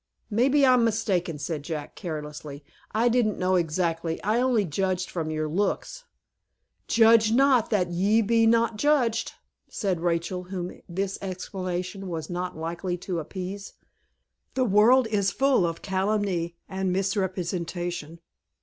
"Maybe I'm mistaken," said Jack, carelessly. "I didn't know exactly. I only judged from your looks." "'Judge not that ye be not judged!'" said Rachel, whom this explanation was not likely to appease. "The world is full of calumny and misrepresentation.